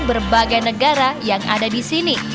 berbagai negara yang ada di sini